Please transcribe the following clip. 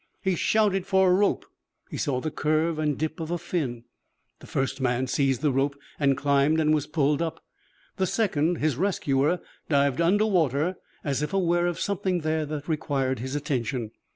He shouted for a rope. He saw the curve and dip of a fin. The first man seized the rope and climbed and was pulled up. The second, his rescuer, dived under water as if aware of something there that required his attention.